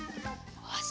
よし。